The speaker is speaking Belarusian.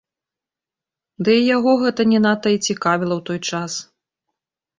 Дый яго гэта не надта і цікавіла ў той час.